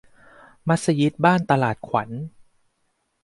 มัสยิดบ้านตลาดขวัญ